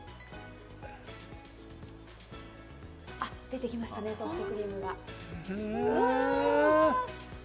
出てきましたね、ソフトクリームが。